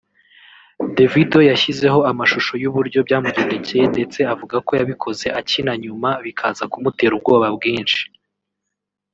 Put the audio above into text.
Davido yashyizeho amashusho y’uburyo byamugendekeye ndetse avuga ko yabikoze akina nyuma bikaza kumutera ubwoba bwinshi